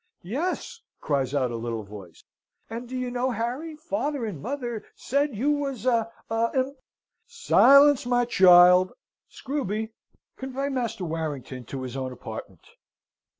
"Yes," cries out a little voice, "and do you know, Harry, father and mother said you was a a imp " "Silence, my child! Screwby, convey Master Warrington to his own apartment!